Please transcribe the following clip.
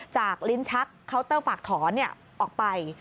ลิ้นชักเคาน์เตอร์ฝากถอนออกไป